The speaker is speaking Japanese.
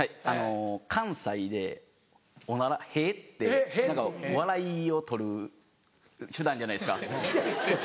関西でおなら屁って笑いを取る手段じゃないですか１つ。